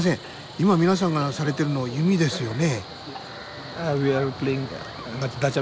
今皆さんがされてるの弓ですよね。